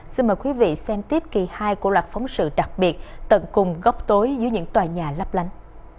xin mời quý vị xem tiếp kỳ hai của loạt phóng sự đặc biệt tận cùng gốc tối dưới những tòa nhà lắp lánh